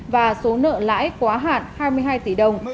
và số nợ lãi quá hạn hai mươi hai tỷ đồng